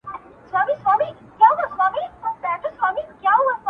زړې نارې ته مو د ژوند رنګونه بیا وپاشل ـ بیا وپاشل؛